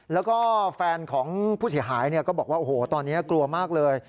แล้วก็แฟนของผู้เสียหายก็บอกว่าโอ้โหตอนนี้กลัวมากเลย